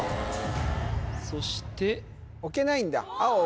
そして置けないんだ